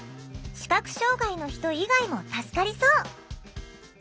視覚障害の人以外も助かりそう！」。